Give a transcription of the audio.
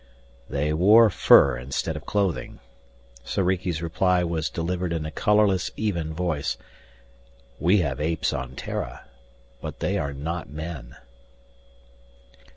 "They wore fur instead of clothing." Soriki's reply was delivered in a colorless, even voice. "We have apes on Terra, but they are not men."